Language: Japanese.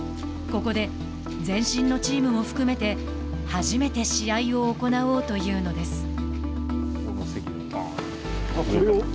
ここで、前身のチームも含めて初めて試合を行おうというのです。